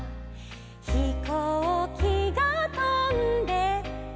「ひこうきがとんでった」